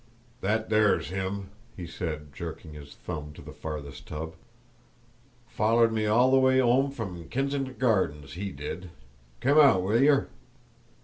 "That there's him," he said, jerking his thumb to the farthest tub; "follered me all the way 'ome from Kinsington Gardens, he did. Kim out, will yer?"